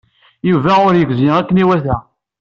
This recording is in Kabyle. Yuba ur yegzi akken iwata.